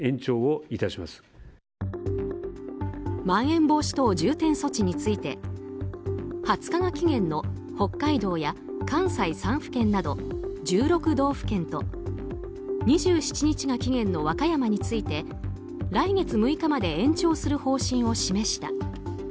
まん延防止等重点措置について２０日が期限の北海道や関西３府県など１６道府県と２７日が期限の和歌山について来月６日まで延長する方針を示した。